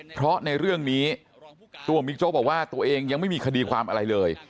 เพราะในเรื่องนี้ตัวบิ๊กโจ๊กบอกว่าตัวเองยังไม่มีคดีความอะไรเลย